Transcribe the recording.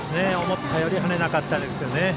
思ったより跳ねなかったですよね。